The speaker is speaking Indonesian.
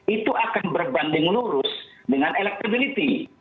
itu akan berbanding lurus dengan electability